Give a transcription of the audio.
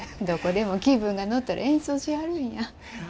どこでも気分が乗ったら演奏しはるんや。